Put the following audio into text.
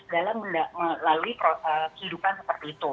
dalam melalui kehidupan seperti itu